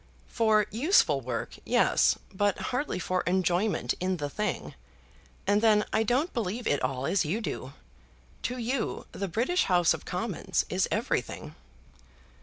"For useful work, yes, but hardly for enjoyment in the thing. And then I don't believe it all as you do. To you the British House of Commons is everything."